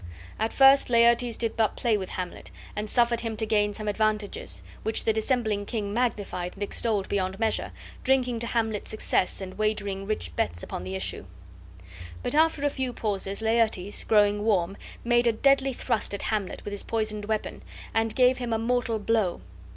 At first Laertes did but play with Hamlet, and suffered him to gain some advantages, which the dissembling king magnified and extolled beyond measure, drinking to Hamlet's success and wagering rich bets upon the issue. But after a few pauses Laertes, growing warm, made a deadly thrust at Hamlet with his poisoned weapon, and gave him a mortal blow.